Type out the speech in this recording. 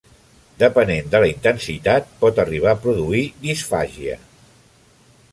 Depenent de la intensitat, pot arribar a produir disfàgia.